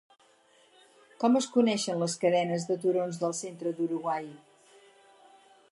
Com es coneixen les cadenes de turons del centre d'Uruguai?